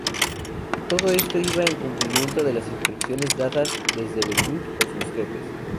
Todo esto iba en cumplimiento de las instrucciones dadas desde Beirut por sus jefes.